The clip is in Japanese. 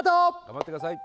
頑張ってください